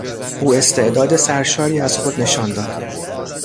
او استعداد سرشاری از خود نشان داد.